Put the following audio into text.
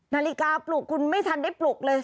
นาฬิกาปลุกคุณไม่ทันได้ปลุกเลย